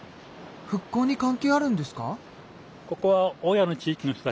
復興に関係あるんですか？